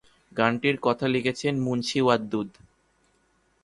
গানটির কথা লিখেছেন মুন্সী ওয়াদুদ।